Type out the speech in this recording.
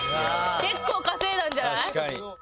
結構稼いだんじゃない？